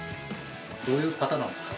どういう方なんですか？